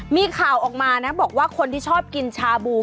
มีข่าวออกมานะบอกว่าคนที่ชอบกินชาบู